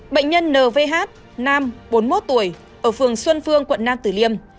bệnh nhân nvh nam bốn mươi một tuổi ở phường xuân phương quận nam tử liêm